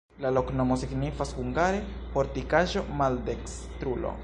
La loknomo signifas hungare: fortikaĵo-maldekstrulo.